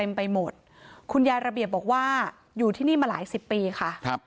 ไปหมดคุณยายระเบียบบอกว่าอยู่ที่นี่มาหลายสิบปีค่ะครับ